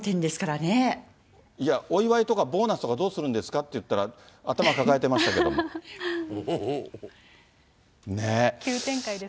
いや、お祝いとかボーナスとかどうするんですかって言ったら、頭抱えて急展開ですね。